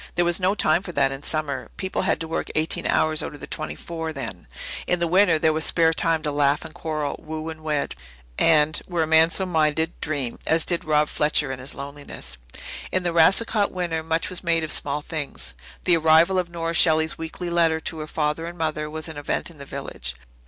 There was no time for that in summer. People had to work eighteen hours out of the twenty four then. In the winter there was spare time to laugh and quarrel, woo and wed and were a man so minded dream, as did Rob Fletcher in his loneliness. In a Racicot winter much was made of small things. The arrival of Nora Shelley's weekly letter to her father and mother was an event in the village.